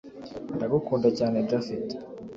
ndagukunda cyane japhet